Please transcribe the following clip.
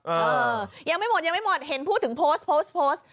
เออยังไม่หมดยังไม่หมดเห็นพูดถึงโพสต์โพสต์โพสต์